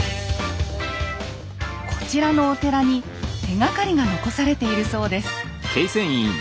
こちらのお寺に手がかりが残されているそうです。